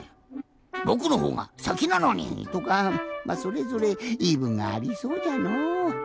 「ぼくのほうがさきなのに！」とかまあそれぞれいいぶんがありそうじゃのう。